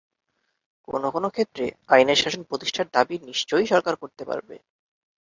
কোনো কোনো ক্ষেত্রে আইনের শাসন প্রতিষ্ঠার দাবি নিশ্চয়ই সরকার করতে পারবে।